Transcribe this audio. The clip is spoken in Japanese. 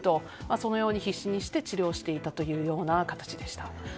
そのように必死に治療をしていたという形でした。